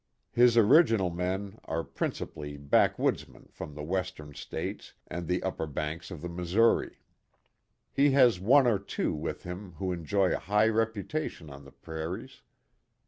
His original men are prin cipally backwoodsmen from the Western States and the upper banks of the Missouri. He has one or two with him who enjoy a high reputation on the prairies.